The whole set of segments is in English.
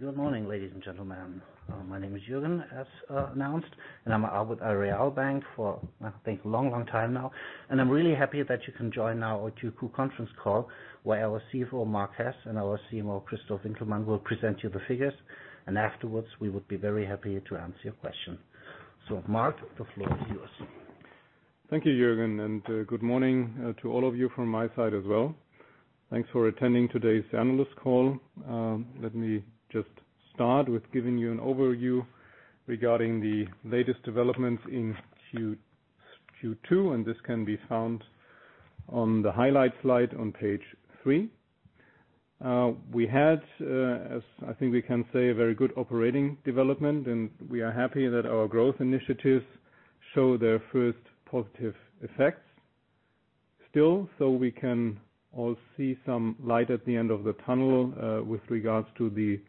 Good morning, ladies and gentlemen. My name is Jürgen, as announced, I'm with Aareal Bank for I think a long time now. I'm really happy that you can join now our Q2 conference call, where our CFO, Marc Hess, and our CMO, Christof Winkelmann, will present you the figures, and afterwards we would be very happy to answer your questions. Marc, the floor is yours. Thank you, Jürgen. Good morning to all of you from my side as well. Thanks for attending today's analyst call. Let me just start with giving you an overview regarding the latest developments in Q2, this can be found on the highlight slide on page three. We had, as I think we can say, a very good operating development. We are happy that our growth initiatives show their first positive effects. Still, we can all see some light at the end of the tunnel with regards to the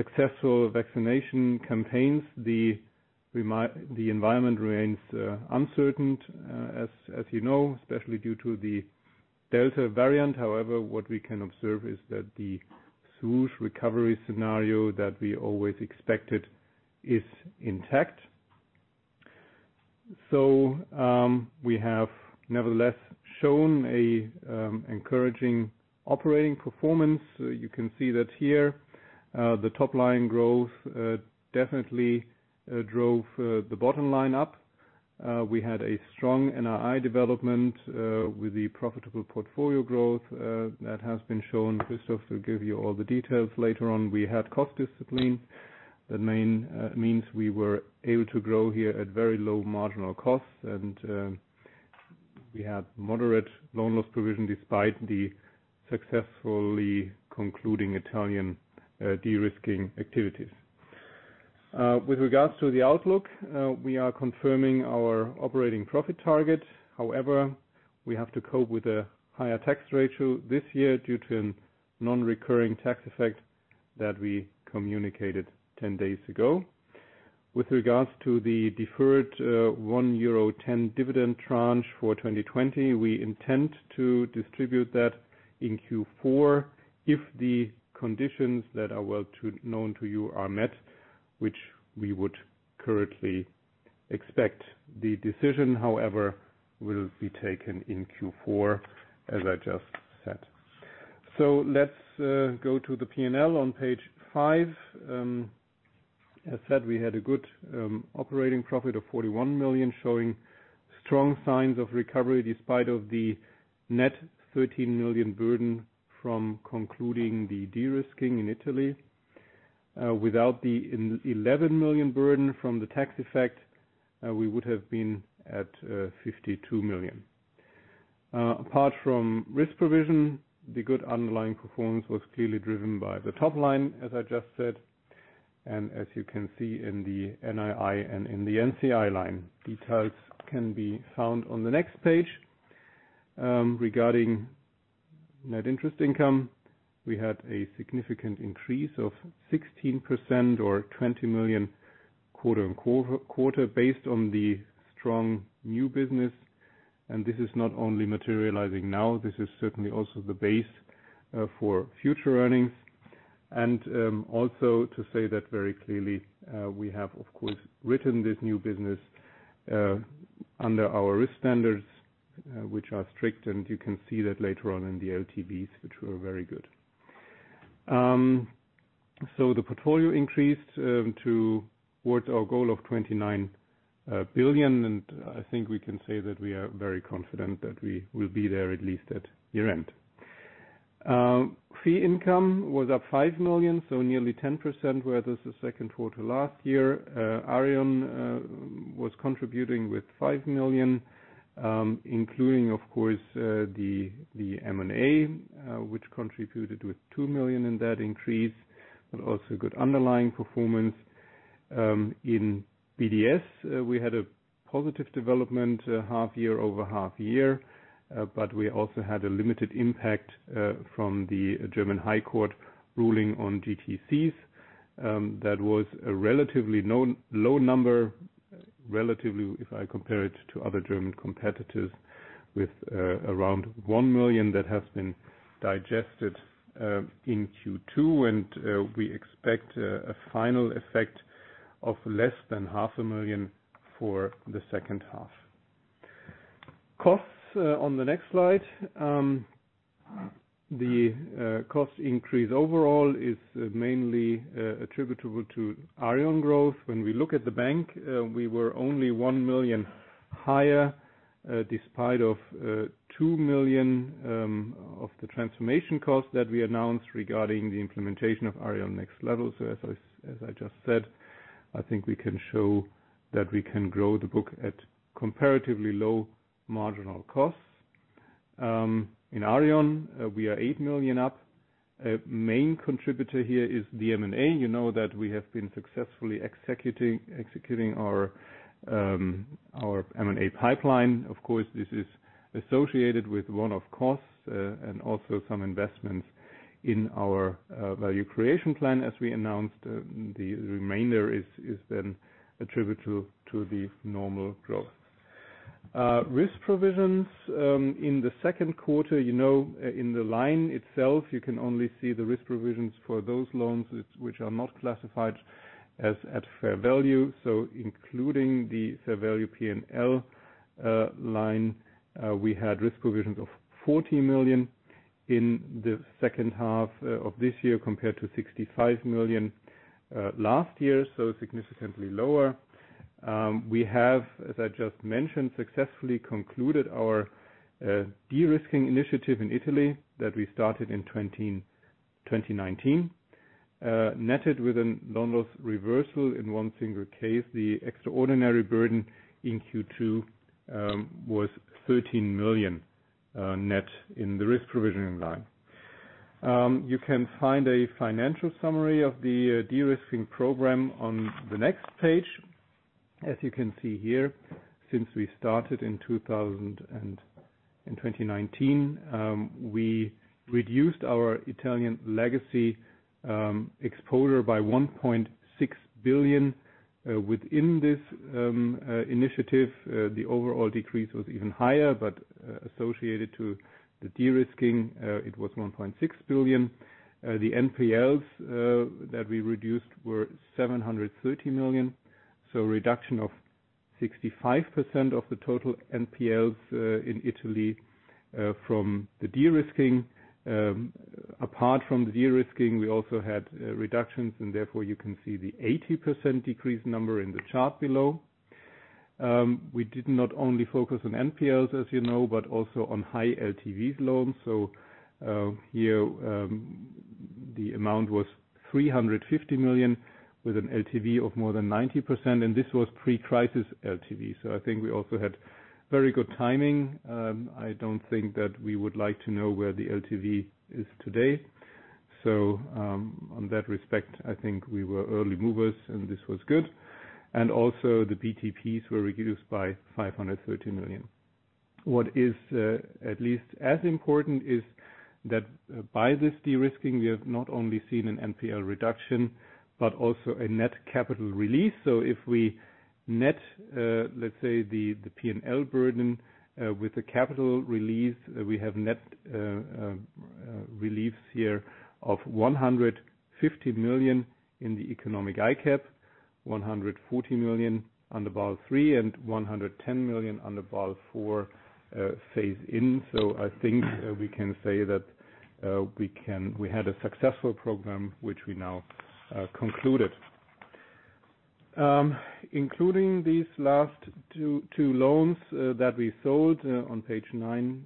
successful vaccination campaigns. The environment remains uncertain, as you know, especially due to the Delta variant. However, what we can observe is that the smooth recovery scenario that we always expected is intact. We have nevertheless shown an encouraging operating performance. You can see that here. The top line growth definitely drove the bottom line up. We had a strong NII development with the profitable portfolio growth that has been shown. Christof will give you all the details later on. We had cost discipline. That means we were able to grow here at very low marginal costs. We had moderate loan loss provision despite the successfully concluding Italian de-risking activities. With regards to the outlook, we are confirming our operating profit target. However, we have to cope with a higher tax ratio this year due to a non-recurring tax effect that we communicated 10 days ago. With regards to the deferred €1.10 dividend tranche for 2020, we intend to distribute that in Q4 if the conditions that are well known to you are met, which we would currently expect. The decision, however, will be taken in Q4, as I just said. Let's go to the P&L on page five. As said, we had a good operating profit of 41 million, showing strong signs of recovery despite of the net 13 million burden from concluding the de-risking in Italy. Without the 11 million burden from the tax effect, we would have been at 52 million. Apart from risk provision, the good underlying performance was clearly driven by the top line, as I just said, and as you can see in the NII and in the NCI line. Details can be found on the next page. Regarding net interest income, we had a significant increase of 16% or 20 million quarter on quarter based on the strong new business. This is not only materializing now, this is certainly also the base for future earnings. Also to say that very clearly, we have of course, written this new business under our risk standards, which are strict, and you can see that later on in the LTVs, which were very good. The portfolio increased towards our goal of 29 billion, and I think we can say that we are very confident that we will be there at least at year-end. Fee income was up 5 million, so nearly 10% whereas the second quarter last year. Aareon was contributing with 5 million, including of course the M&A, which contributed with 2 million in that increase, but also good underlying performance. In BDS, we had a positive development half year over half year, but we also had a limited impact from the German High Court ruling on GTCs. That was a relatively low number, relatively if I compare it to other German competitors with around 1 million that has been digested in Q2, and we expect a final effect of less than half a million for the second half. Costs on the next slide. The cost increase overall is mainly attributable to Aareon growth. When we look at the bank, we were only 1 million higher, despite of 2 million of the transformation costs that we announced regarding the implementation of Aareon Next Level. As I just said, I think we can show that we can grow the book at comparatively low marginal costs. In Aareon, we are 8 million up. Main contributor here is the M&A. You know that we have been successfully executing our M&A pipeline. This is associated with one-off costs and also some investments in our value creation plan as we announced. The remainder is then attributable to the normal growth. Risk provisions in the second quarter, in the line itself, you can only see the risk provisions for those loans which are not classified as at fair value. Including the fair value P&L line, we had risk provisions of 40 million in the 2nd half of this year, compared to 65 million last year. Significantly lower. We have, as I just mentioned, successfully concluded our de-risking initiative in Italy that we started in 2019, netted with a loan loss reversal in one single case. The extraordinary burden in Q2 was 13 million net in the risk provisioning line. You can find a financial summary of the de-risking program on the next page. As you can see here, since we started in 2019, we reduced our Italian legacy exposure by 1.6 billion within this initiative. The overall decrease was even higher, Associated to the de-risking, it was 1.6 billion. The NPLs that we reduced were 730 million. A reduction of 65% of the total NPLs in Italy from the de-risking. Apart from de-risking, we also had reductions, Therefore you can see the 80% decrease number in the chart below. We did not only focus on NPLs, as you know, but also on high LTVs loans. Here, the amount was 350 million with an LTV of more than 90%. This was pre-crisis LTV. I don't think that we would like to know where the LTV is today. On that respect, I think we were early movers, and this was good. Also the BTPs were reduced by 530 million. What is at least as important is that by this de-risking, we have not only seen an NPL reduction, but also a net capital release. If we net let's say the P&L burden with the capital release, we have net reliefs here of 150 million in the economic ICAAP, 140 million under Basel III, and 110 million under Basel IV phase-in. I think we can say that we had a successful program, which we now concluded. Including these last two loans that we sold on page nine,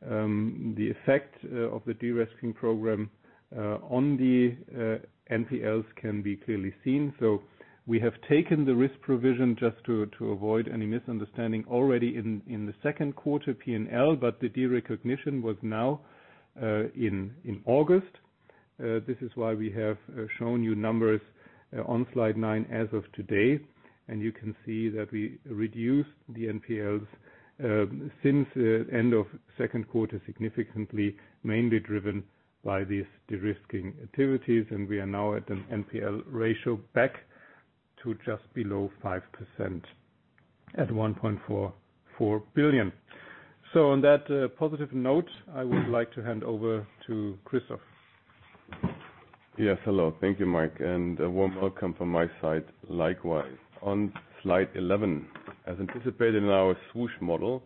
the effect of the de-risking program on the NPLs can be clearly seen. We have taken the risk provision just to avoid any misunderstanding already in the second quarter P&L. The derecognition was now in August. This is why we have shown you numbers on slide nine as of today, and you can see that we reduced the NPLs since end of second quarter significantly, mainly driven by these de-risking activities. We are now at an NPL ratio back to just below 5% at 1.44 billion. On that positive note, I would like to hand over to Christof. Yes, hello. Thank you, Marc, and a warm welcome from my side, likewise. On slide 11, as anticipated in our swoosh model,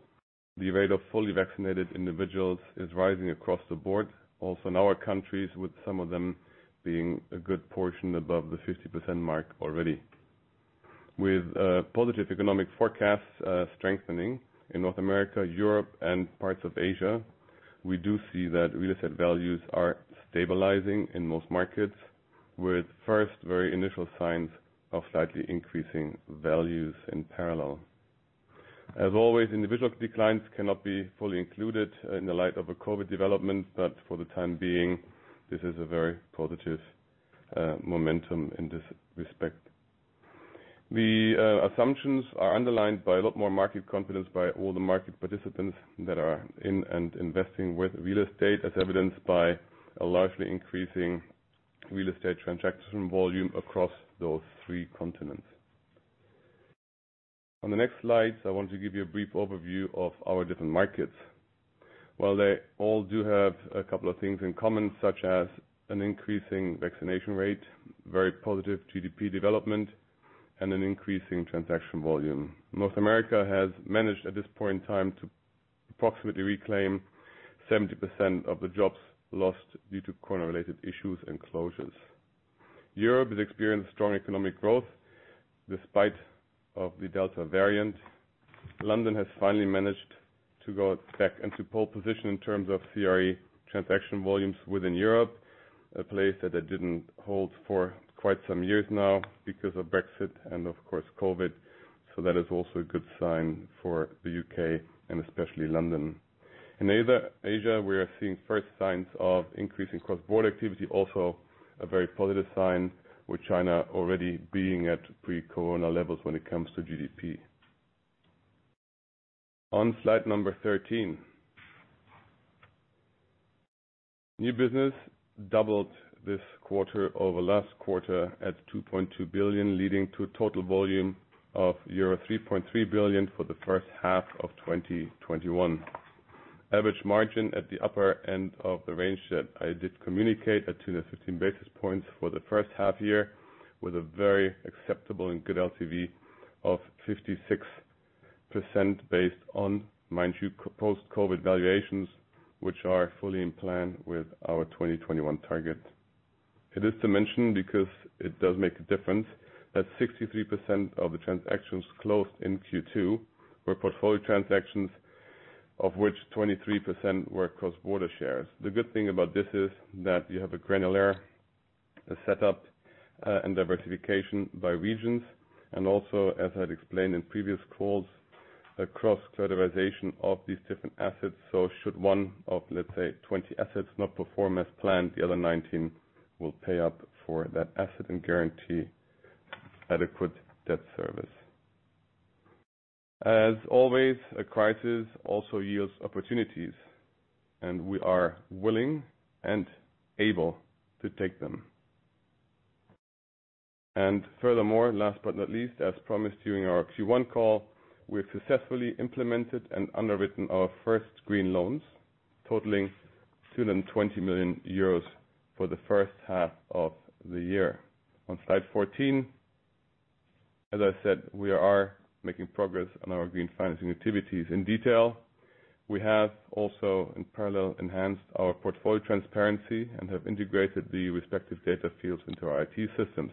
the rate of fully vaccinated individuals is rising across the board, also in our countries, with some of them being a good portion above the 50% mark already. With positive economic forecasts strengthening in North America, Europe, and parts of Asia, we do see that real estate values are stabilizing in most markets, with first very initial signs of slightly increasing values in parallel. As always, individual declines cannot be fully included in the light of a COVID development, but for the time being, this is a very positive momentum in this respect. The assumptions are underlined by a lot more market confidence by all the market participants that are in and investing with real estate, as evidenced by a largely increasing real estate transaction volume across those three continents. On the next slides, I want to give you a brief overview of our different markets. While they all do have a couple of things in common, such as an increasing vaccination rate, very positive GDP development, and an increasing transaction volume. North America has managed at this point in time to approximately reclaim 70% of the jobs lost due to COVID-19-related issues and closures. Europe has experienced strong economic growth despite of the Delta variant. London has finally managed to go back into pole position in terms of CRE transaction volumes within Europe, a place that it didn't hold for quite some years now because of Brexit and of course COVID-19. That is also a good sign for the U.K. and especially London. In Asia, we are seeing first signs of increasing cross-border activity. A very positive sign with China already being at pre-COVID-19 levels when it comes to GDP. On slide number 13 new business doubled this quarter over last quarter at 2.2 billion, leading to a total volume of euro 3.3 billion for the first half of 2021. Average margin at the upper end of the range that I did communicate at 215 basis points for the first half year, with a very acceptable and good LTV of 56% based on, mind you, post-COVID valuations, which are fully in plan with our 2021 target. It is to mention, because it does make a difference, that 63% of the transactions closed in Q2 were portfolio transactions, of which 23% were cross-border shares. Should one of, let's say, 20 assets not perform as planned, the other 19 will pay up for that asset and guarantee adequate debt service. As always, a crisis also yields opportunities, and we are willing and able to take them. Furthermore, last but not least, as promised during our Q1 call, we have successfully implemented and underwritten our first green loans totaling 220 million euros for the first half of the year. On slide 14, as I said, we are making progress on our green financing activities. In detail, we have also, in parallel, enhanced our portfolio transparency and have integrated the respective data fields into our IT systems.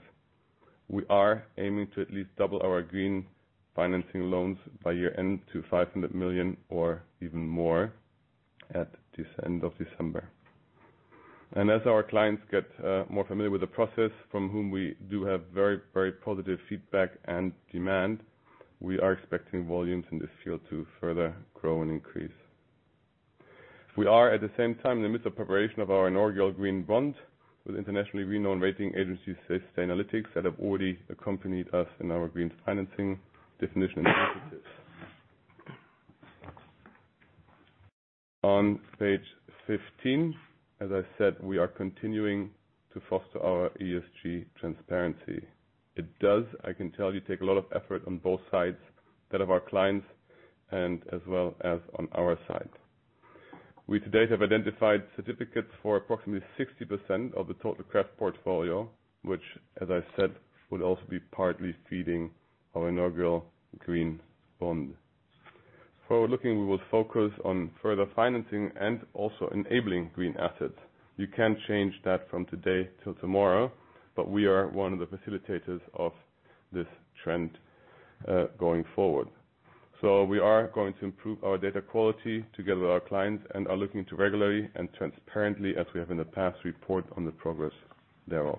We are aiming to at least double our green financing loans by year-end to 500 million or even more at the end of December. As our clients get more familiar with the process from whom we do have very positive feedback and demand, we are expecting volumes in this field to further grow and increase. We are, at the same time, in the midst of preparation of our inaugural green bond with internationally renowned rating agency Sustainalytics that have already accompanied us in our green financing definition and practices. On page 15, as I said, we are continuing to foster our ESG transparency. It does, I can tell you, take a lot of effort on both sides, that of our clients and as well as on our side. We, to date, have identified certificates for approximately 60% of the total CRE portfolio, which, as I said, would also be partly feeding our inaugural green bond. Forward-looking, we will focus on further financing and also enabling green assets. You can't change that from today till tomorrow, but we are one of the facilitators of this trend going forward. We are going to improve our data quality together with our clients and are looking to regularly and transparently, as we have in the past, report on the progress thereof.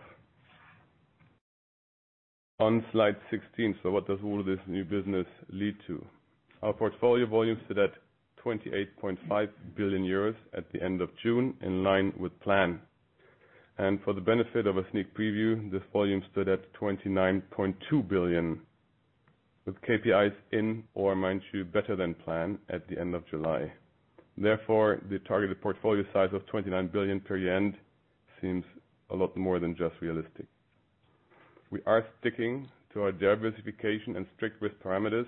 On slide 16, what does all of this new business lead to? Our portfolio volumes sit at €28.5 billion at the end of June, in line with plan. For the benefit of a sneak preview, this volume stood at 29.2 billion with KPIs in or, mind you, better than plan at the end of July. Therefore, the targeted portfolio size of 29 billion per year-end seems a lot more than just realistic. We are sticking to our diversification and strict risk parameters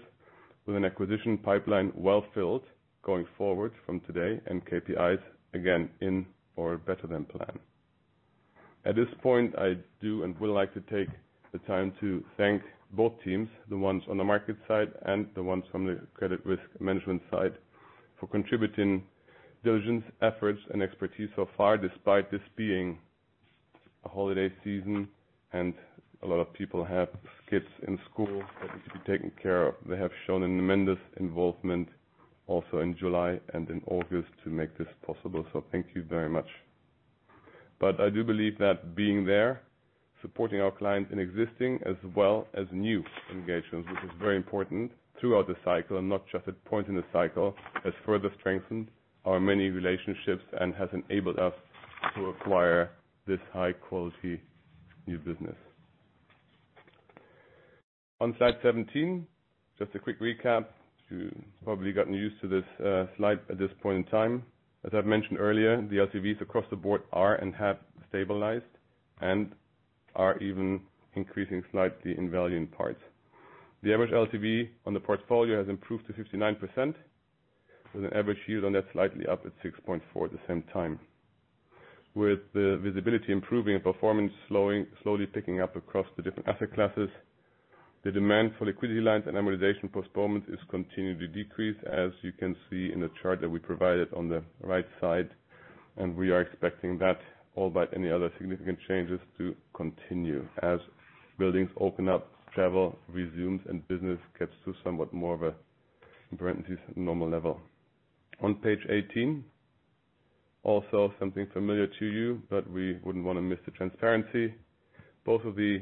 with an acquisition pipeline well-filled going forward from today and KPIs again in or better than plan. At this point, I do and would like to take the time to thank both teams, the ones on the market side and the ones from the credit risk management side, for contributing diligence, efforts, and expertise so far, despite this being a holiday season and a lot of people have kids in school that need to be taken care of. They have shown a tremendous involvement also in July and in August to make this possible. Thank you very much. I do believe that being there, supporting our clients in existing as well as new engagements, which is very important throughout the cycle and not just at point in the cycle, has further strengthened our many relationships and has enabled us to acquire this high-quality new business. On slide 17, just a quick recap. You've probably gotten used to this slide at this point in time. As I've mentioned earlier, the LTVs across the board are and have stabilized and are even increasing slightly in value in parts. The average LTV on the portfolio has improved to 59%, with an average yield on that slightly up at 6.4% at the same time. With the visibility improving and performance slowly picking up across the different asset classes, the demand for liquidity lines and amortization postponement is continuing to decrease, as you can see in the chart that we provided on the right side, and we are expecting that, albeit any other significant changes, to continue as buildings open up, travel resumes, and business gets to somewhat more of a, in parentheses, normal level. On page 18, also something familiar to you, but we wouldn't want to miss the transparency. Both of the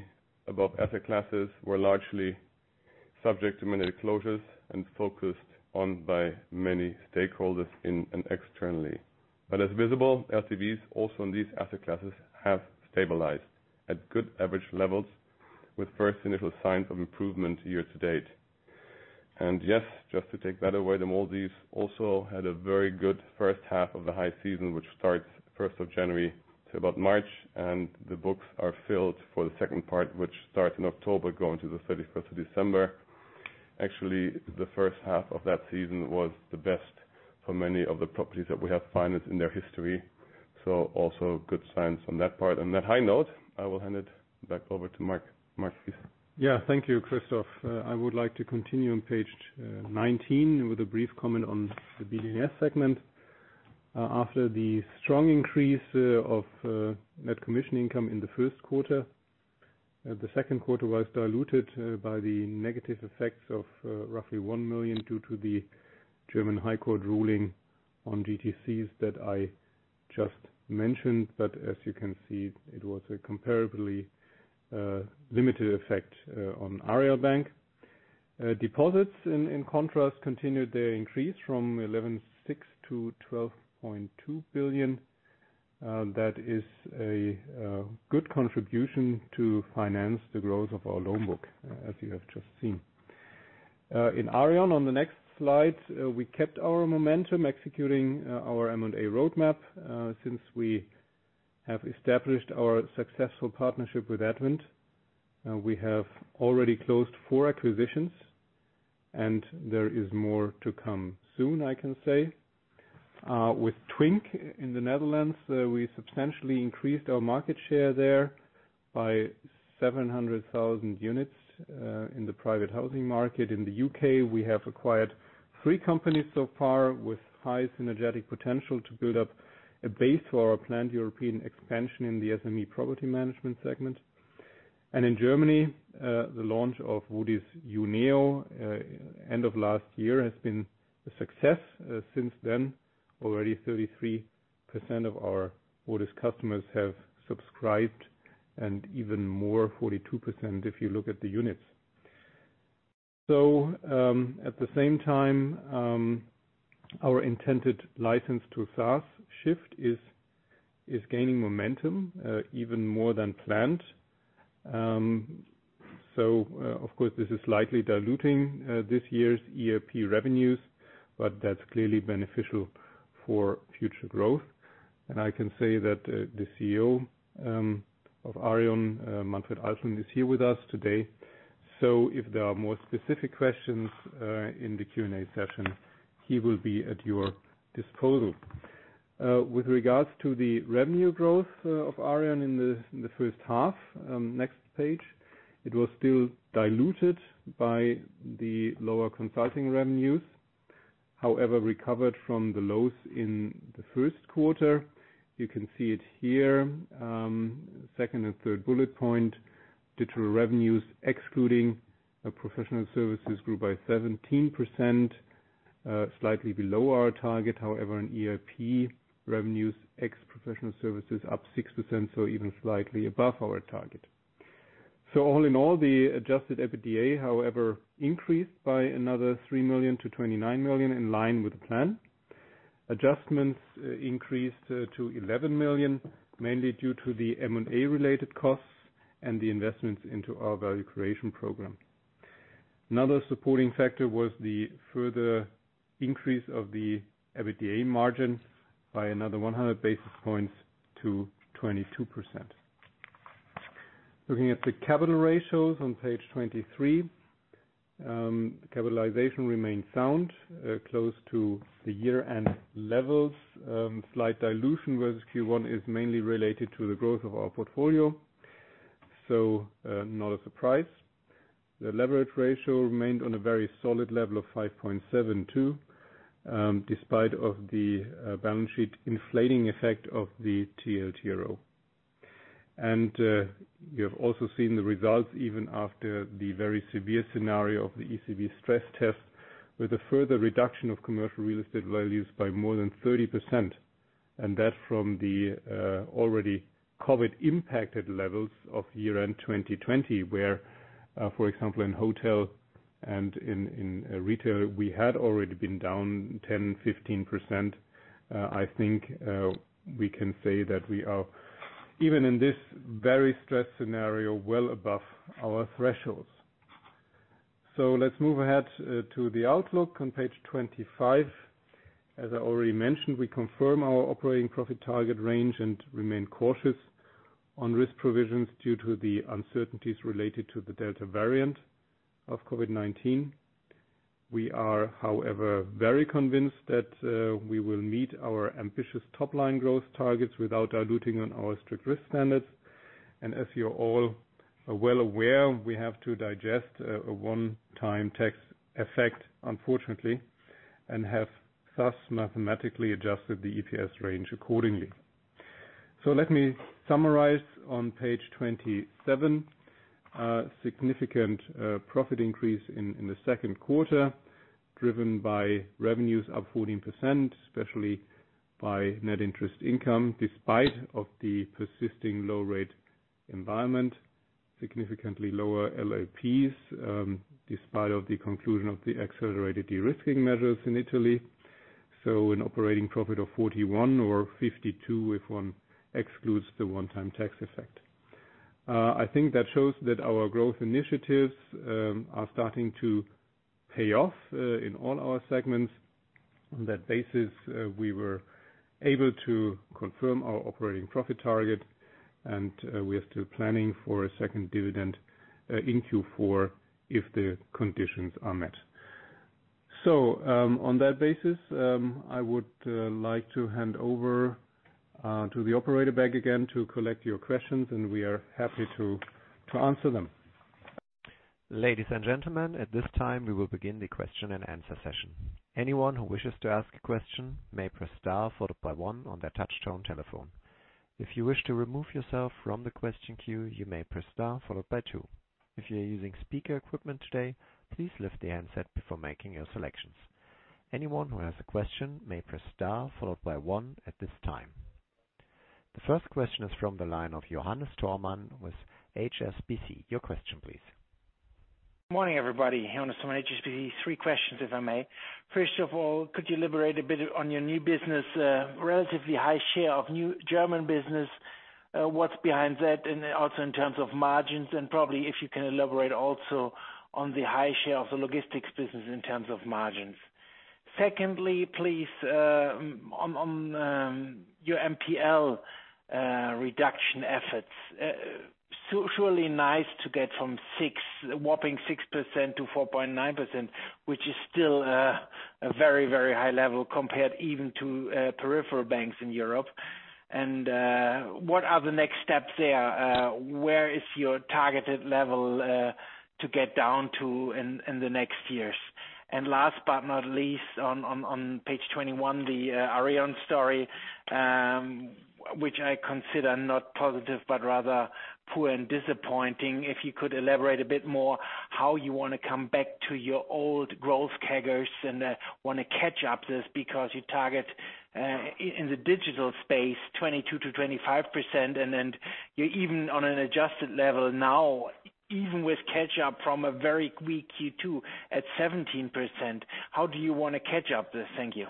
above asset classes were largely subject to many closures and focused on by many stakeholders in and externally. As visible, LTVs also in these asset classes have stabilized at good average levels with first initial signs of improvement year-to-date. Yes, just to take that away, the Maldives also had a very good first half of the high season, which starts 1st of January to about March, and the books are filled for the second part, which starts in October, going to the 31st of December. Actually, the first half of that season was the best for many of the properties that we have financed in their history. Also good signs on that part. On that high note, I will hand it back over to Marc. Marc, please. Thank you, Christof. I would like to continue on page 19 with a brief comment on the BDS segment. After the strong increase of net commission income in the first quarter, the second quarter was diluted by the negative effects of roughly 1 million due to the German High Court ruling on GTCs that I just mentioned, but as you can see, it was a comparably limited effect on Aareal Bank. Deposits, in contrast, continued their increase from 11.6 billion-12.2 billion. That is a good contribution to finance the growth of our loan book, as you have just seen. In Aareon, on the next slide, we kept our momentum executing our M&A roadmap. Since we have established our successful partnership with Advent, we have already closed four acquisitions and there is more to come soon, I can say. With Twinq in the Netherlands, we substantially increased our market share there by 700,000 units in the private housing market. In the U.K., we have acquired three companies so far with high synergetic potential to build up a base for our planned European expansion in the SME property management segment. In Germany, the launch of Wodis Yuneo end of last year has been a success. Since then, already 33% of our Wodis customers have subscribed, and even more, 42%, if you look at the units. At the same time, our intended license to SaaS shift is gaining momentum, even more than planned. Of course, this is slightly diluting this year's ERP revenues, but that's clearly beneficial for future growth. I can say that the CEO of Aareon, Manfred Alflen, is here with us today. If there are more specific questions in the Q&A session, he will be at your disposal. With regards to the revenue growth of Aareon in the first half, next page, it was still diluted by the lower consulting revenues. Recovered from the lows in the first quarter. You can see it here. Second and third bullet point. Digital revenues, excluding professional services, grew by 17%, slightly below our target. In ERP revenues, ex professional services up 6%, so even slightly above our target. All in all, the adjusted EBITDA, however, increased by another 3 million to 29 million, in line with the plan. Adjustments increased to 11 million, mainly due to the M&A related costs and the investments into our value creation program. Another supporting factor was the further increase of the EBITDA margin by another 100 basis points to 22%. Looking at the capital ratios on page 23. Capitalization remains sound, close to the year-end levels. Slight dilution versus Q1 is mainly related to the growth of our portfolio. Not a surprise. The leverage ratio remained on a very solid level of 5.72, despite of the balance sheet inflating effect of the TLTRO. You have also seen the results even after the very severe scenario of the ECB stress test, with a further reduction of commercial real estate values by more than 30%. That from the already COVID-impacted levels of year-end 2020, where, for example, in hotel and in retail, we had already been down 10%, 15%. I think we can say that we are, even in this very stressed scenario, well above our thresholds. Let's move ahead to the outlook on page 25. As I already mentioned, we confirm our operating profit target range and remain cautious on risk provisions due to the uncertainties related to the Delta variant of COVID-19. We are, however, very convinced that we will meet our ambitious top-line growth targets without diluting on our strict risk standards. As you're all well aware, we have to digest a one-time tax effect, unfortunately, and have thus mathematically adjusted the EPS range accordingly. Let me summarize on page 27. Significant profit increase in the second quarter, driven by revenues up 14%, especially by net interest income, despite of the persisting low rate environment. Significantly lower LLPs, despite of the conclusion of the accelerated de-risking measures in Italy. An operating profit of 41 or 52, if one excludes the one-time tax effect. I think that shows that our growth initiatives are starting to pay off in all our segments. On that basis, we were able to confirm our operating profit target, and we are still planning for a second dividend in Q4 if the conditions are met. On that basis, I would like to hand over to the operator back again to collect your questions, and we are happy to answer them. Ladies and gentlemen, at this time, we will begin the question and answer session. Anyone who wishes to ask a question may press star followed by one on their touchtone telephone. If you wish to remove yourself from the question queue, you may press star followed by two. If you're using speaker equipment today, please lift the handset before making your selections. Anyone who has a question may press star followed by one at this time. The first question is from the line of Johannes Thormann with HSBC. Your question please. Morning, everybody. Johannes Thormann, HSBC. three questions, if I may. First of all, could you elaborate a bit on your new business, relatively high share of new German business? What's behind that? And also in terms of margins, and probably if you can elaborate also on the high share of the logistics business in terms of margins. Secondly, please, on your NPL reduction efforts. Surely nice to get from whopping 6% - 4.9%, which is still a very high level compared even to peripheral banks in Europe. What are the next steps there? Where is your targeted level to get down to in the next years? Last but not least, on page 21, the Aareon story, which I consider not positive, but rather poor and disappointing. If you could elaborate a bit more how you want to come back to your old growth CAGRs and want to catch up this because you target, in the digital space, 22%-25%. Then you're even on an adjusted level now, even with catch-up from a very weak Q2 at 17%. How do you want to catch up this? Thank you.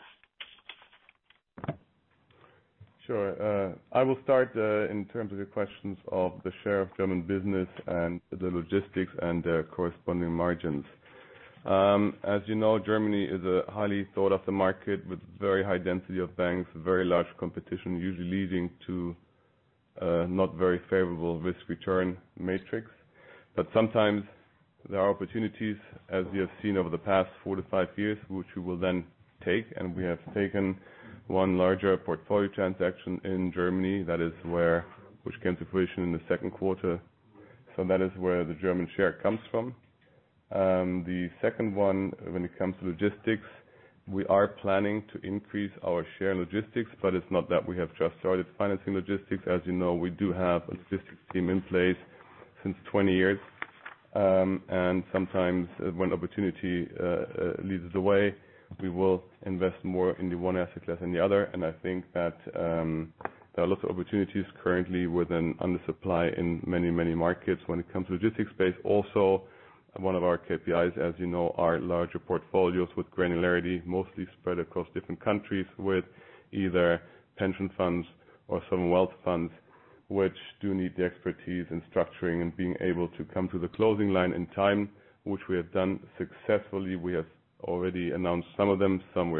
Sure. I will start in terms of your questions of the share of German business and the logistics and the corresponding margins. As you know, Germany is a highly sought-after market with very high density of banks, very large competition, usually leading to a not very favorable risk-return matrix. Sometimes there are opportunities, as we have seen over the past four to five years, which we will then take, and we have taken one larger portfolio transaction in Germany, which came to fruition in the Q2. That is where the German share comes from. The second one, when it comes to logistics, we are planning to increase our share in logistics, but it's not that we have just started financing logistics. As you know, we do have a logistics team in place since 20 years. Sometimes when opportunity leads the way, we will invest more in the one asset class than the other. I think that there are a lot of opportunities currently with an undersupply in many markets when it comes to logistics space. Also, one of our KPIs, as you know, are larger portfolios with granularity, mostly spread across different countries with either pension funds or some wealth funds, which do need the expertise in structuring and being able to come to the closing line in time, which we have done successfully. We have already announced some of them. Some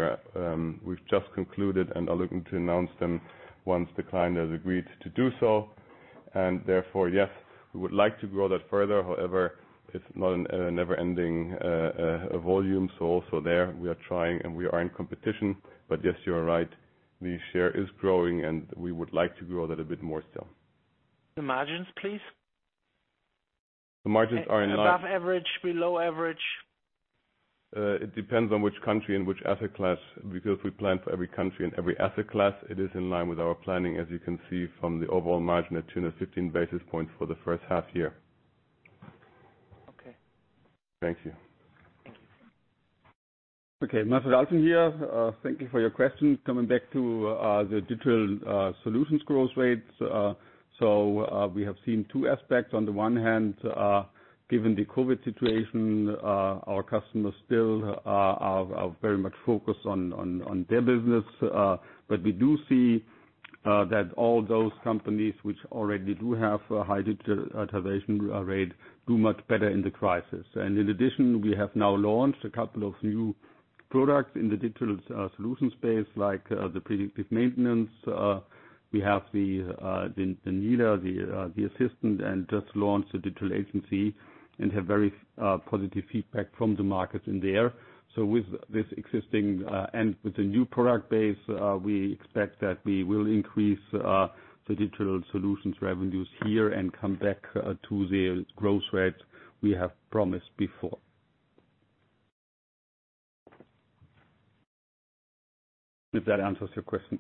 we've just concluded and are looking to announce them once the client has agreed to do so. Therefore, yes, we would like to grow that further. However, it's not a never-ending volume. Also there, we are trying, and we are in competition. Yes, you are right. The share is growing, and we would like to grow that a bit more still. The margins, please. The margins are in line. Above average, below average. It depends on which country and which asset class, because we plan for every country and every asset class. It is in line with our planning, as you can see from the overall margin at 215 basis points for the first half year. Okay. Thank you. Thank you. Okay, Manfred Alflen here. Thank you for your question. Coming back to the digital solutions growth rates. We have seen two aspects. On the one hand, given the COVID situation, our customers still are very much focused on their business. We do see that all those companies which already do have a high digitization rate do much better in the crisis. In addition, we have now launched a couple of new products in the digital solution space, like the predictive maintenance. We have the assistant and just launched the Digital Agency and have very positive feedback from the market in there. With this existing and with the new product base, we expect that we will increase the digital solutions revenues here and come back to the growth rates we have promised before. If that answers your question.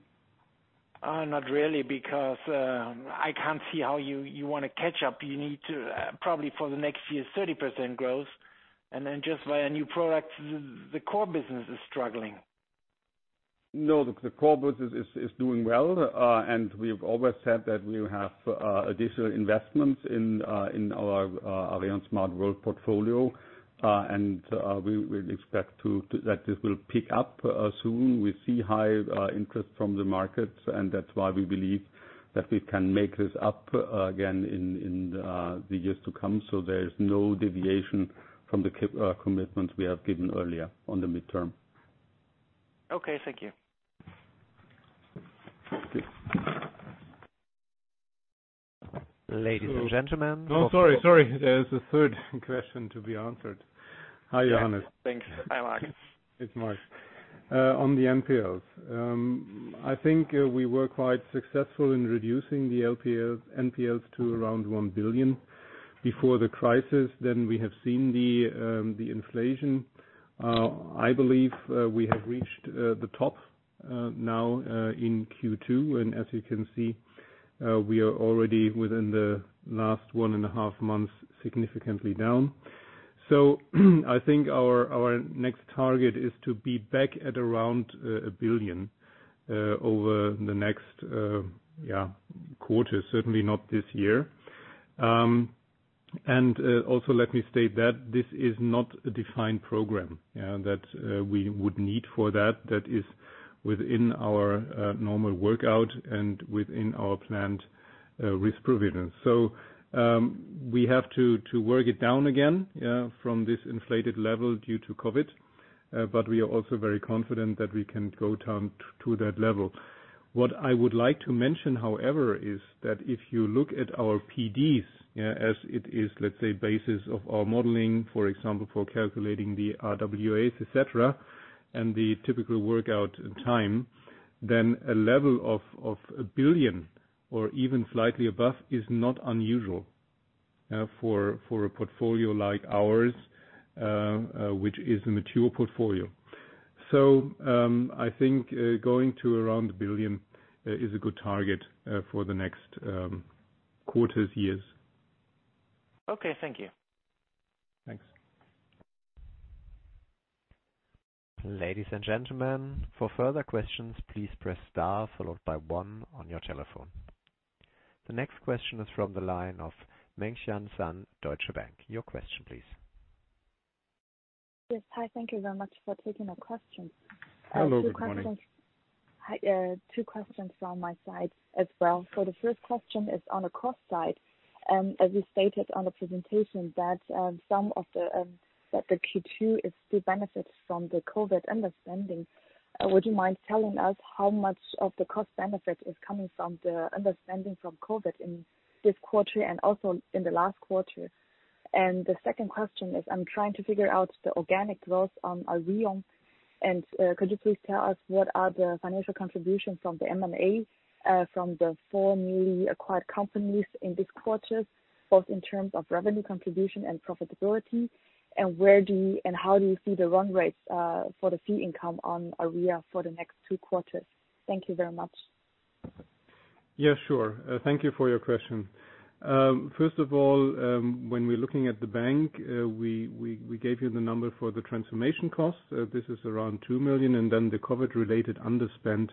Not really, because I can't see how you want to catch up. You need to probably for the next year, 30% growth, and then just via new products. The core business is struggling. The core business is doing well. We've always said that we will have additional investments in our Aareon Smart World portfolio. We would expect that this will pick up soon. We see high interest from the markets, and that's why we believe that we can make this up again in the years to come. There is no deviation from the commitments we have given earlier on the midterm. Okay, thank you. Thank you. Ladies and gentlemen. Oh, sorry. There's a third question to be answered. Hi, Johannes. Thanks. Hi, Marc. It's Marc. On the NPLs. I think we were quite successful in reducing the NPLs to around 1 billion before the crisis. We have seen the inflation. I believe we have reached the top now in Q2. As you can see, we are already, within the last 1 and a half months, significantly down. I think our next target is to be back at around 1 billion over the next quarters, certainly not this year. Also let me state that this is not a defined program that we would need for that. That is within our normal workout and within our planned risk provisions. We have to work it down again from this inflated level due to COVID-19. We are also very confident that we can go down to that level. What I would like to mention, however, is that if you look at our PDs as it is, let's say, basis of our modeling. For example, for calculating the RWAs, et cetera, and the typical workout time, then a level of 1 billion or even slightly above is not unusual for a portfolio like ours, which is a mature portfolio. I think going to around 1 billion is a good target for the next quarters, years. Okay, thank you. Thanks. Ladies and gentlemen, for further questions, please press star followed by one on your telephone. The next question is from the line of Mengxian Sun, Deutsche Bank. Your question please. Yes. Hi, thank you very much for taking the question. Hello, good morning. Two questions from my side as well. The first question is on the cost side, as you stated on the presentation that the Q2 is still benefits from the COVID underspending. Would you mind telling us how much of the cost benefit is coming from the underspending from COVID in this quarter and also in the last quarter? The second question is I'm trying to figure out the organic growth on Aareon. Could you please tell us what are the financial contributions from the M&A from the four newly acquired companies in this quarter, both in terms of revenue contribution and profitability? How do you see the run rates for the fee income on Aareon for the next two quarters? Thank you very much. Yeah, sure. Thank you for your question. First of all, when we're looking at the bank, we gave you the number for the transformation cost. This is around 2 million, the COVID related underspend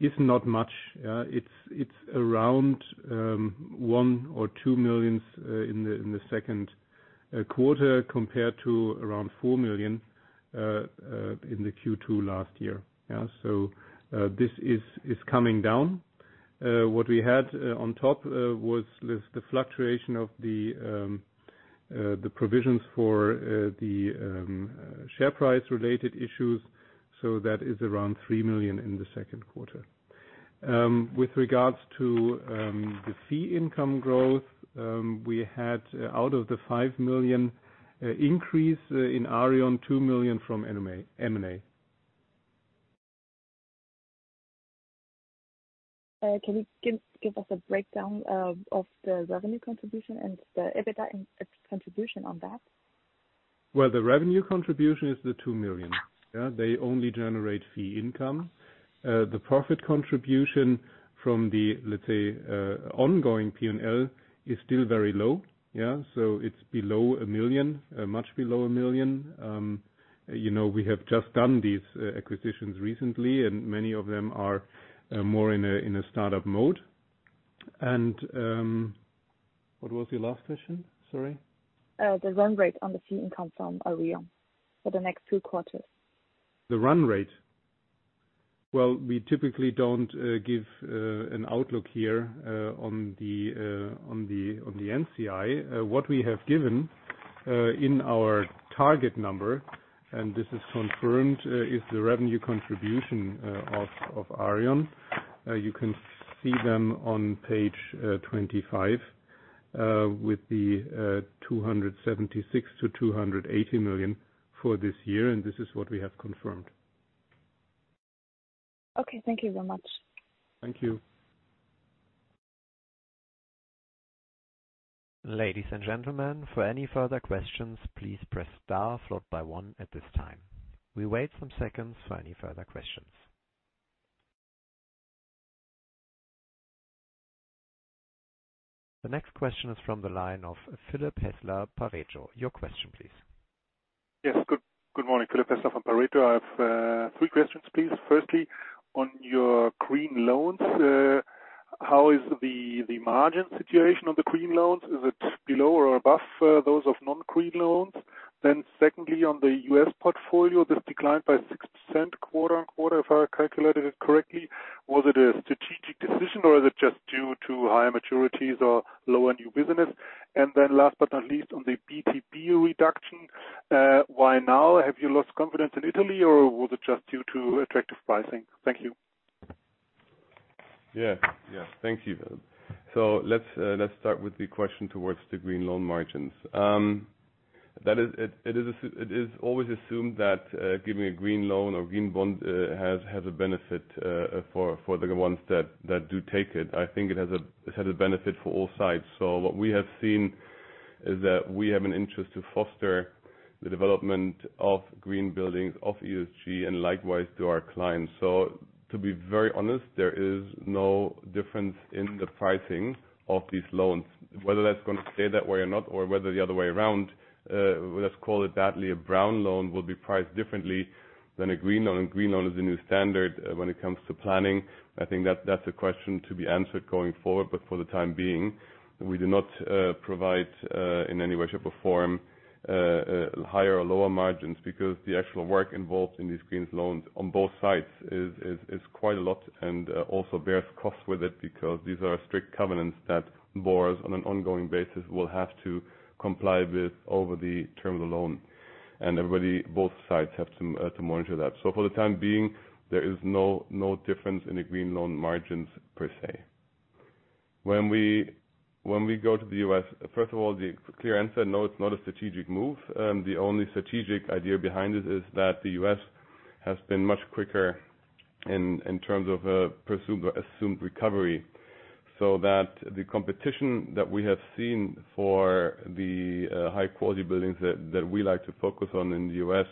is not much. It's around 1 million or 2 million in the second quarter compared to around 4 million in the Q2 last year. This is coming down. What we had on top was the fluctuation of the provisions for the share price-related issues. That is around 3 million in the second quarter. With regards to the fee income growth, we had out of the 5 million increase in Aareon, 2 million from M&A. Can you give us a breakdown of the revenue contribution and the EBITDA contribution on that? Well, the revenue contribution is the 2 million. They only generate fee income. The profit contribution from the, let's say, ongoing P&L is still very low. It's below 1 million, much below 1 million. We have just done these acquisitions recently, many of them are more in a startup mode. What was your last question? Sorry. The run rate on the fee income from Aareon for the next two quarters The run rate. Well, we typically don't give an outlook here on the NCI. What we have given in our target number, and this is confirmed, is the revenue contribution of Aareon. You can see them on page 25 with the 276 million-280 million for this year, and this is what we have confirmed. Okay, thank you very much. Thank you. Ladies and gentlemen, for any further questions, please press star followed by one at this time. We wait some seconds for any further questions. The next question is from the line of Philipp Häßler, Pareto. Your question, please. Yes. Good morning. Philipp Häßler from Pareto. I have three questions, please. Firstly, on your green loans, how is the margin situation on the green loans? Is it below or above those of non-green loans? Secondly, on the U.S. portfolio that declined by 6% quarter-over-quarter, if I calculated it correctly, was it a strategic decision or is it just due to higher maturities or lower new business? Last but not least, on the BTP reduction, why now? Have you lost confidence in Italy or was it just due to attractive pricing? Thank you. Yeah. Thank you, Philipp. Let's start with the question towards the green loan margins. It is always assumed that giving a green loan or green bond has a benefit for the ones that do take it. I think it has a benefit for all sides. What we have seen is that we have an interest to foster the development of green buildings, of ESG, and likewise to our clients. To be very honest, there is no difference in the pricing of these loans. Whether that's going to stay that way or not, or whether the other way around, let's call it badly a brown loan will be priced differently than a green loan. Green loan is the new standard when it comes to planning. I think that's a question to be answered going forward. For the time being, we do not provide, in any way, shape, or form, higher or lower margins because the actual work involved in these green loans on both sides is quite a lot and also bears costs with it because these are strict covenants that borrowers on an ongoing basis will have to comply with over the term of the loan. Everybody, both sides, have to monitor that. For the time being, there is no difference in the green loan margins per se. When we go to the U.S., first of all, the clear answer, no, it's not a strategic move. The only strategic idea behind it is that the U.S. has been much quicker in terms of assumed recovery. The competition that we have seen for the high-quality buildings that we like to focus on in the U.S.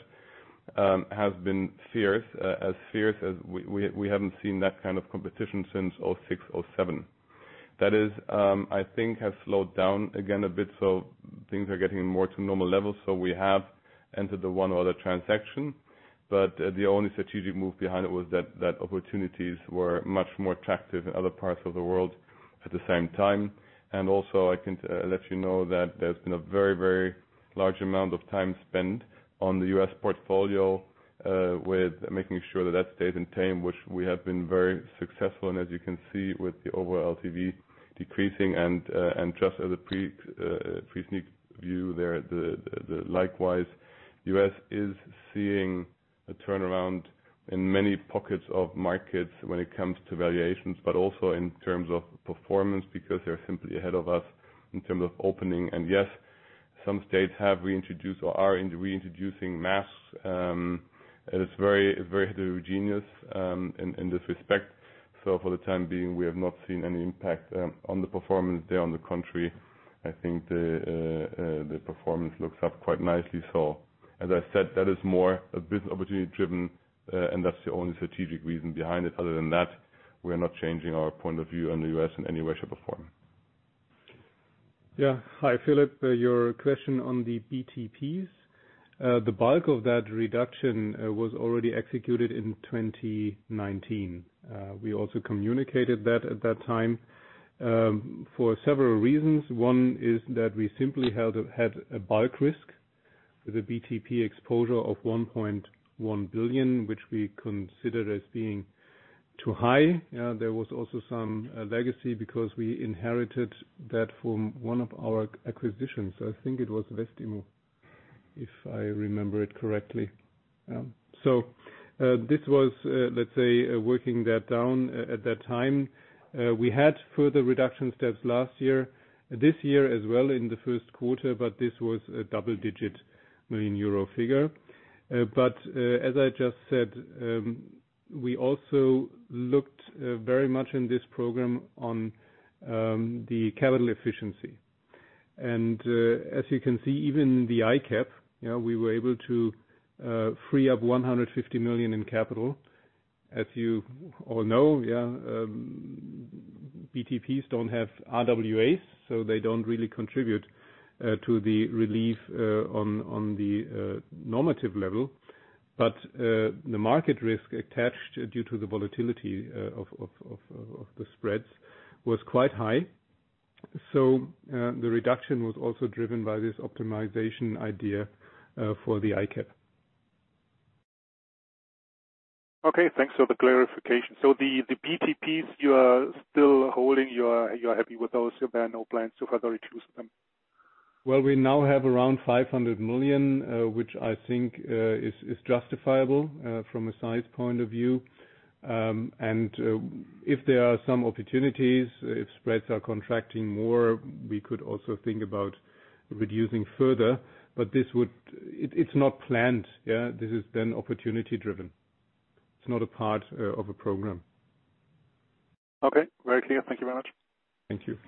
has been as fierce as we haven't seen that kind of competition since 2006, 2007. I think that has slowed down again a bit. Things are getting more to normal levels. We have entered one other transaction, but the only strategic move behind it was that opportunities were much more attractive in other parts of the world at the same time. Also, I can let you know that there's been a very large amount of time spent on the U.S. portfolio, with making sure that that stayed in tame, which we have been very successful, and as you can see with the overall LTV decreasing and just as a preview there, likewise, U.S. is seeing a turnaround in many pockets of markets when it comes to valuations, but also in terms of performance, because they're simply ahead of us in terms of opening. Yes, some states have reintroduced or are reintroducing masks. It is very heterogeneous in this respect. For the time being, we have not seen any impact on the performance there. On the contrary, I think the performance looks up quite nicely. As I said, that is more a bit opportunity-driven, and that's the only strategic reason behind it. Other than that, we're not changing our point of view on the U.S. in any way, shape, or form. Yeah. Hi, Philipp. Your question on the BTPs. The bulk of that reduction was already executed in 2019. We also communicated that at that time, for several reasons. One is that we simply had a bulk risk with a BTP exposure of 1.1 billion, which we considered as being too high. There was also some legacy because we inherited that from one of our acquisitions. I think it was WestImmo, if I remember it correctly. This was working that down at that time. We had further reduction steps last year, this year as well in the first quarter, but this was a double-digit million EUR figure. As I just said, we also looked very much in this program on the capital efficiency. As you can see, even the ICAAP, we were able to free up 150 million in capital. As you all know, BTPs don't have RWAs, so they don't really contribute to the relief on the normative level. The market risk attached due to the volatility of the spreads was quite high. The reduction was also driven by this optimization idea for the ICAAP. Okay, thanks for the clarification. The BTPs you are still holding, you are happy with those? There are no plans to further reduce them? Well, we now have around $500 million, which I think is justifiable from a size point of view. If there are some opportunities, if spreads are contracting more, we could also think about reducing further. It's not planned. This is then opportunity-driven. It's not a part of a program. Okay, very clear. Thank you very much. Thank you.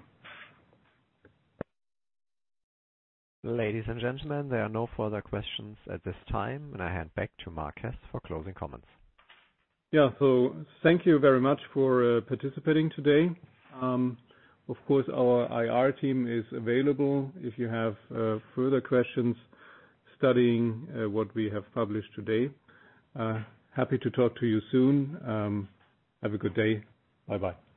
Ladies and gentlemen, there are no further questions at this time, and I hand back to Marc Hess for closing comments. Thank you very much for participating today. Of course, our IR team is available if you have further questions studying what we have published today. Happy to talk to you soon. Have a good day. Bye-bye.